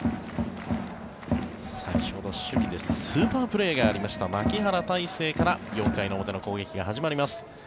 先ほど、守備でスーパープレーがありました牧原大成から４回表の攻撃が始まります。